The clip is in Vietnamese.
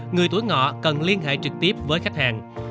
người túi ngọ cần liên hệ trực tiếp với khách hàng